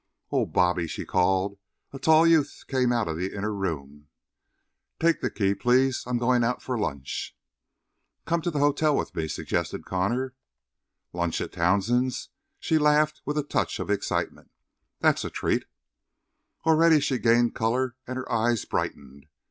"Oh, Bobby," she called. A tall youth came out of an inner room. "Take the key, please; I'm going out for lunch." "Come to the hotel with me," suggested Connor. "Lunch at Townsend's?" She laughed with a touch of excitement. "That's a treat." Already she gained color and her eyes brightened.